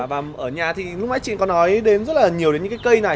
và ở nhà thì lúc nãy chị có nói đến rất là nhiều đến những cái cây này